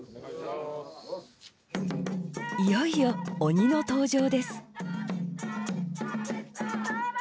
いよいよ鬼の登場です。